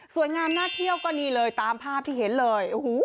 งามน่าเที่ยวก็นี่เลยตามภาพที่เห็นเลย